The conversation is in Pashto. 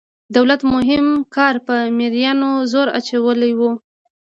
د دولت مهم کار په مرئیانو زور اچول وو.